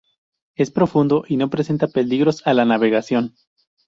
Es profundo y no presenta peligros a la navegación.